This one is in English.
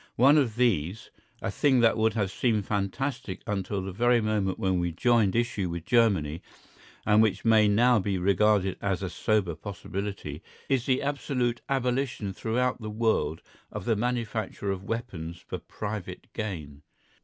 One of these, a thing that would have seemed fantastic until the very moment when we joined issue with Germany and which may now be regarded as a sober possibility, is the absolute abolition throughout the world of the manufacture of weapons for private gain.